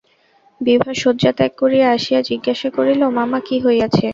বিভা শয্যা ত্যাগ করিয়া আসিয়া জিজ্ঞাসা করিল, মামা, কী হইয়াছে?